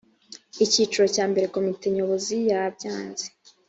icyiciro cya mbere komite nyobozi yabyanze